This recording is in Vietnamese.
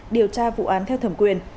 điều tra vụ án theo thẩm quyền